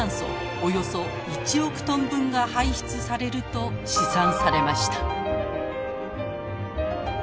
およそ１億トン分が排出されると試算されました。